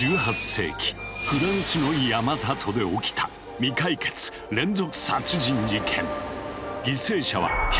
１８世紀フランスの山里で起きた未解決連続殺人事件。